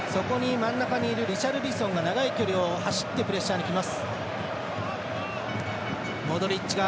真ん中にいるリシャルリソンが長い距離を走ってプレッシャーにきます。